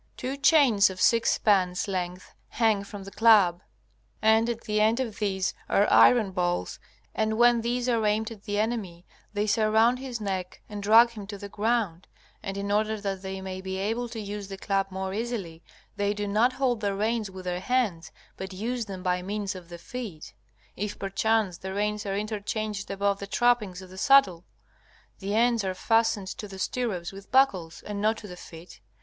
Two chains of six spans length hang from the club, and at the end of these are iron balls, and when these are aimed at the enemy they surround his neck and drag him to the ground; and in order that they may be able to use the club more easily, they do not hold the reins with their hands, but use them by means of the feet. If perchance the reins are interchanged above the trappings of the saddle, the ends are fastened to the stirrups with buckles, and not to the feet.